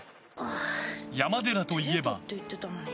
山寺といえば。